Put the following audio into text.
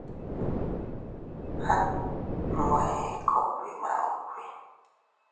At nwe ee kugbi maubi.